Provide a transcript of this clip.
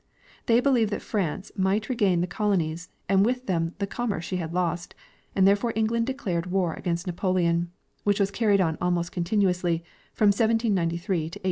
They believed that France might regain the colonies and Avith them the commerce she had lost, and therefore England declared war against Napoleon, which was carried on almost continuously from 1793 to 1815.